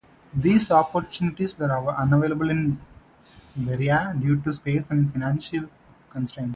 These opportunities were unavailable in Berea due to space and financial constraints.